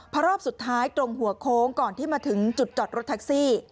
พอรอบสุดท้ายตรงหัวโค้งก่อนที่มาถึงจุดจอดรถแท็กซี่